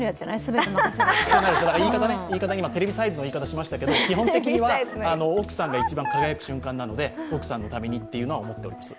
言い方ね、今、テレビサイズの言い方をしましたけど、基本的には奥さんが一番輝く瞬間なので、奥さんのためにはと思っています。